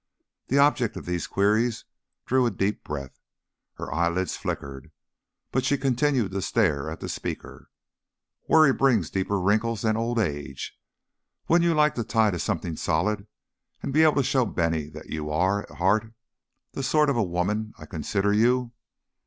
The object of these queries drew a deep breath; her eyelids flickered, but she continued to stare at the speaker. "Worry brings deeper wrinkles than old age. Wouldn't you like to tie to something solid and be able to show Bennie that you are, at heart, the sort of woman I consider you?